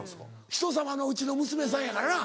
人様のうちの娘さんやからな。